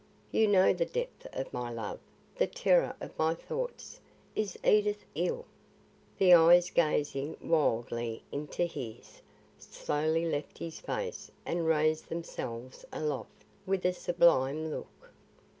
You know the depth of my love, the terror of my thoughts. Is Edith ill?" The eyes gazing wildly into his, slowly left his face and raised themselves aloft, with a sublime look.